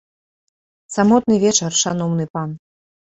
Самотны вечар, шаноўны пан.